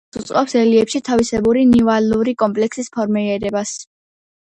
აგრეთვე ხელს უწყობს რელიეფში თავისებური ნივალური კომპლექსის ფორმირებას.